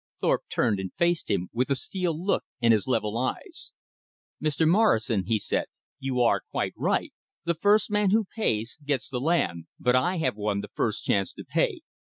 Thorpe turned and faced him with a steel look in his level eyes. "Mr. Morrison," he said, "you are quite right. The first man who pays gets the land; but I have won the first chance to pay.